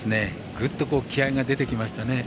ぐっと気合いが出てきましたね。